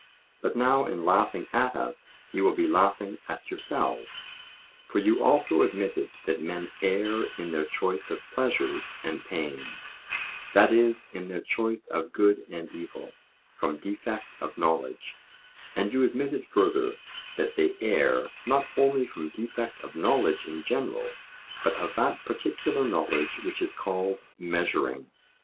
But now, in laughing at us, you will be laughing at yourselves: for you also admitted that men err in their choice of pleasures and pains; that is, in their choice of good and evil, from defect of knowledge; and you admitted further, that they err, not only from defect of knowledge in general, but of that particular knowledge which is called measuring.